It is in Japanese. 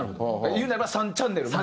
いうならば３チャンネルまで。